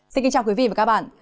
xin kính chào quý vị và các bạn